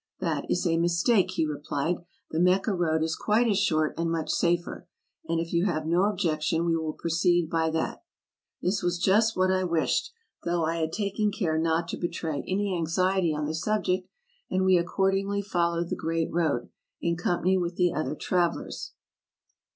" That is a mistake," he replied; " the Mecca road is quite as short, and much safer; and if you have no objection we will proceed by that." This was just what I wished, though I had taken care not ASIA 287 to betray any anxiety on the subject; and we accordingly followed the great road, in company with the other travelers.